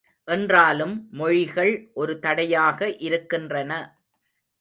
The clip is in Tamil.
என்றாலும் மொழிகள் ஒரு தடையாக இருக்கின்றன.